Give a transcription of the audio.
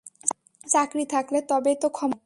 চাকরি থাকলে তবেই তো ক্ষমা করবো।